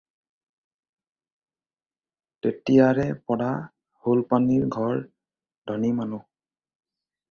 তেতিয়াৰে পৰা শূলপাণিৰ ঘৰ ধনী মানুহ।